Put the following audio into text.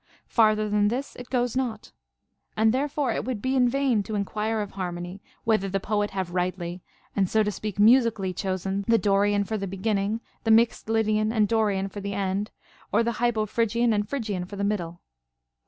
Farther than this it goes not. And therefore it would be in vain to enquire of harmony, whether the poet have rightly and (so to speak) musically chosen the Dorian for the beginning, the mixed Lydian and Dorian for the end, or the Hypophrygian and Phrygian for the middle.